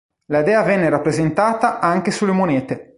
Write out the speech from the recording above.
La dea venne rappresentata anche sulle monete.